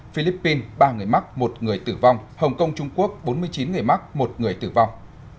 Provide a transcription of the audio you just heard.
philippines ba người mắc một người tử vong hồng kông trung quốc bốn mươi chín người mắc một người tử vong